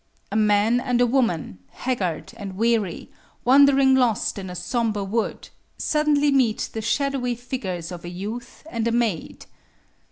A man and a woman, haggard and weary, wandering lost in a somber wood, suddenly meet the shadowy figures of a youth and a maid.